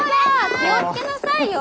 気を付けなさいよ！